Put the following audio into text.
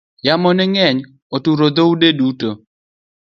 Yamo ne ng'eny oturo dhot